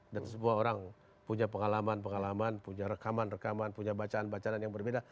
dan semua orang punya pengalaman pengalaman punya rekaman rekaman punya bacaan berbicara